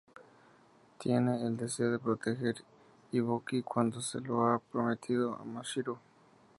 Tiene el deseo de proteger Ibuki cuando se lo ha prometido a Mashiro.